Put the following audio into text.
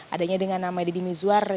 adanya dengan nama deddy mizwar